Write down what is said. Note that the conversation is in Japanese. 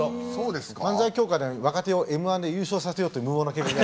漫才協会では若手を「Ｍー１」で優勝させようっていう無謀な計画が。